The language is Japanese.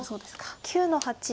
白９の八。